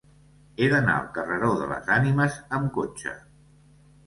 He d'anar al carreró de les Ànimes amb cotxe.